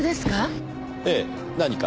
ええ。何か？